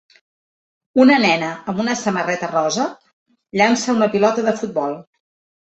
Una nena amb una samarreta rosa llança una pilota de futbol.